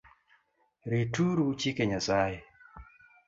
Rituru chike Nyasaye